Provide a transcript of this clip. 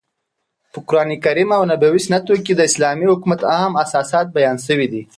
په قرانکریم او نبوي سنتو کښي د اسلامي حکومت عام اساسات بیان سوي دي.